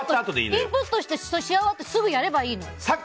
インプットして試合終わってすぐやればいいんだよ。